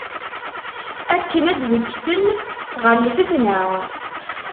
Akken ad d-beggsen ɣer lfetna.